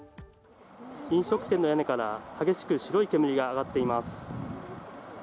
飲食店の屋根から激しく白い煙が上がっています。